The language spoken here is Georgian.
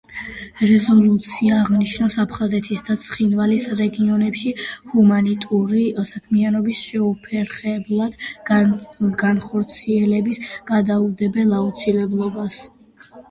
რეზოლუცია აღნიშნავს აფხაზეთის და ცხინვალის რეგიონებში ჰუმანიტარული საქმიანობის შეუფერხებლად განხორციელების გადაუდებელ აუცილებლობას.